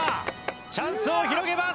チャンスを広げます！